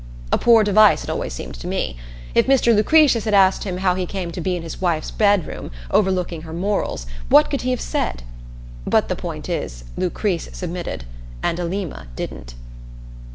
A poor device, it always seemed to me. If Mr. Lucretius had asked him how he came to be in his wife's bedroom overlooking her morals, what could he have said? But the point is Lucrese submitted, and Alima didn't.